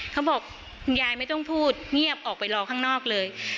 คุณยายไม่ต้องพูดเงียบออกไปรอข้างนอกเลย